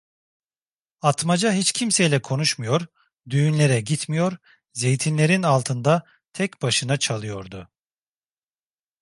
Atmaca hiç kimseyle konuşmuyor, düğünlere gitmiyor, zeytinlerin altında tek başına çalıyordu.